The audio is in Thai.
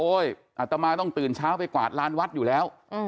อาตมาต้องตื่นเช้าไปกวาดลานวัดอยู่แล้ว